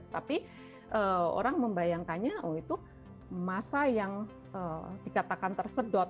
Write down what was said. tapi orang membayangkannya itu masa yang dikatakan tersedot